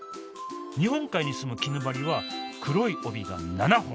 日本海に住むキヌバリは黒い帯が７本。